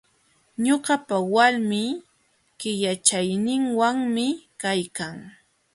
Ñuqapa walmi killachayninwanmi kaykan.